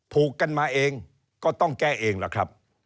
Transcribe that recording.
ผูกกันมาเองก็ต้องแก้เองล่ะครับ